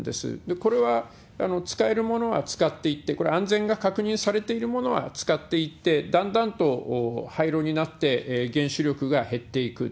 これは使えるものは使っていって、これ、安全が確認されているものは使っていって、だんだんと廃炉になって、原子力が減っていく。